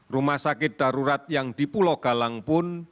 rumah sakit darurat yang di pulau galang pun